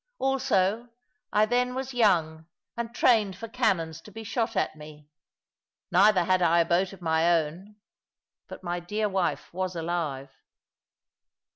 Also, I then was young, and trained for cannons to be shot at me. Neither had I a boat of my own, but my dear wife was alive.